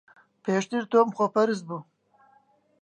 پێشتر تۆم خۆپەرست بوو.